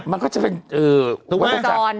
มันก็จะเป็นวัตจักร